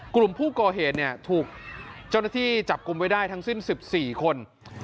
กลุ่มผู้ก่อเหตุถูกเจ้าหน้าที่จับกลุ่มไว้ได้ทั้งสิ้น๑๔คน